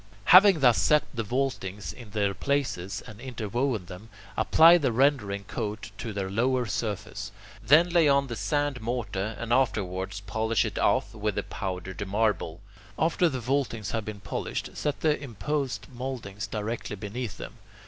Having thus set the vaultings in their places and interwoven them, apply the rendering coat to their lower surface; then lay on the sand mortar, and afterwards polish it off with the powdered marble. After the vaultings have been polished, set the impost mouldings directly beneath them.